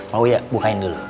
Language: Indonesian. pak oya bukain dulu